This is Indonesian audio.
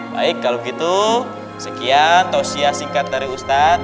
baik kalau gitu sekian tosia singkat dari ustaz